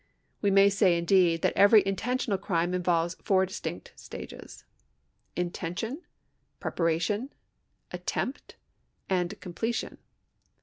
We may say, indeed, that every intentional crime involves four distinct stages — Intention, Preparation, Attempt, and Completion.